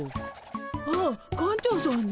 ああ館長さんね。